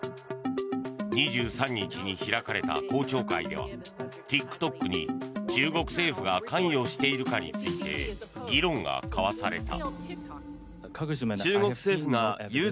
２３日に開かれた公聴会ではＴｉｋＴｏｋに中国政府が関与しているかについて議論が交わされた。